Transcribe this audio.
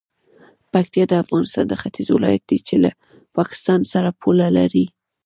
پکتیکا د افغانستان د ختیځ ولایت دی چې له پاکستان سره پوله لري.